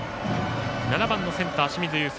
７番のセンター、清水友惺。